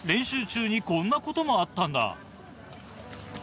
にこんなこともあったんだ。